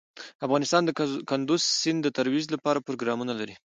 افغانستان د کندز سیند د ترویج لپاره پروګرامونه لري.